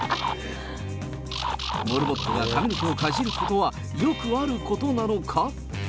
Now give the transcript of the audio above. モルモットが髪の毛をかじることはよくあることなのか？